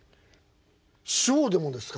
師匠でもですか？